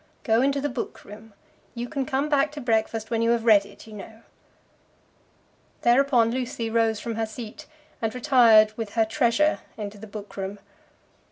"Go into the book room. You can come back to breakfast when you have read it, you know." Thereupon Lucy rose from her seat, and retired with her treasure into the book room.